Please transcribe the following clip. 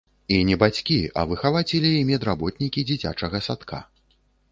І не бацькі, а выхавацелі і медработнікі дзіцячага садка.